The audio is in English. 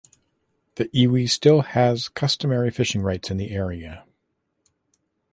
The iwi still has customary fishing rights in the area.